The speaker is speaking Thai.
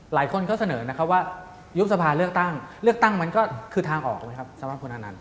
หลายคนเขาเสนอนะครับว่ายุบสภาเลือกตั้งเลือกตั้งมันก็คือทางออกไหมครับสำหรับคุณอนันต